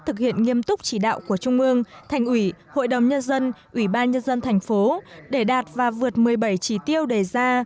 thực hiện nghiêm túc chỉ đạo của trung mương thành ủy hội đồng nhân dân ubnd tp để đạt và vượt một mươi bảy trí tiêu đề ra